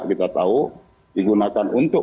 kita tahu digunakan untuk